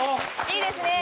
いいですね。